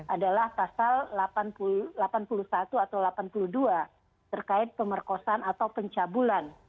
adalah pasal delapan puluh satu atau delapan puluh dua terkait pemerkosaan atau pencabulan